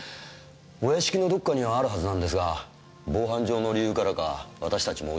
お屋敷のどこかにはあるはずなんですが防犯上の理由からか私たちも教えてはもらえません。